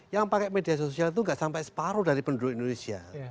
yang pakai media sosial itu nggak sampai separuh dari penduduk indonesia